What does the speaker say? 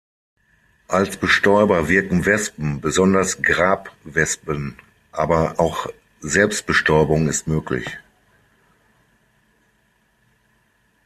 Als Bestäuber wirken Wespen, besonders Grabwespen, aber auch Selbstbestäubung ist möglich.